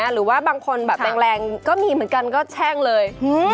หรือว่าบางคนแบบแรงก็มีเหมือนกันก็แช่งเลย